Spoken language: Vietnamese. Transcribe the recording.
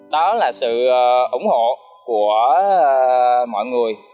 đó là sự ủng hộ của mọi người